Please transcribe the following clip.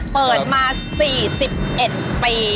เปิดมา๔๑ปี